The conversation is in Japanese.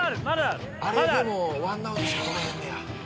「あれでも１アウトしか取れへんねや」